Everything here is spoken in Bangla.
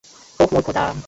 ওহ, মোর খোদা!